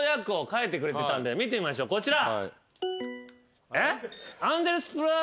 見てみましょうこちら。